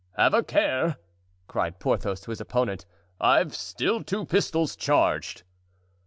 "Have a care," cried Porthos to his opponent; "I've still two pistols charged."